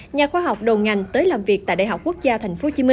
nhà khoa học đầu ngành tới làm việc tại đại học quốc gia tp hcm